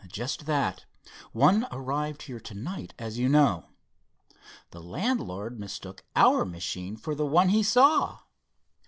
"Just that. One arrived here to night, as you know." "The landlord mistook our machine for the one he saw."